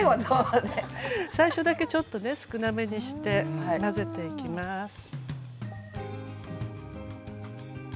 最初だけちょっと少なめにして混ぜていきます。